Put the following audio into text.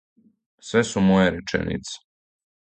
Све су моје реченице.